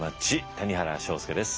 谷原章介です。